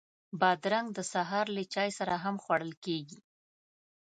بادرنګ د سهار له چای سره هم خوړل کېږي.